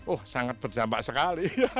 oh sangat berdampak sekali